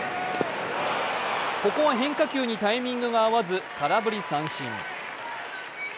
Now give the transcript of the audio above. ここは変化球にタイミングが合わず空振り三振。